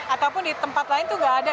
ataupun di tempat lain itu nggak ada